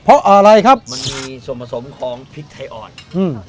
เพราะอะไรครับมันมีส่วนผสมของพริกไทยอ่อนอืม